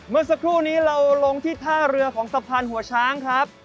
เมื่อสักครู่นี้เราลงที่ท่าเรือของสะพานหัวช้างครับ